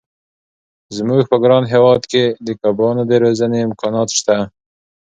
زموږ په ګران هېواد کې د کبانو د روزنې امکانات شته.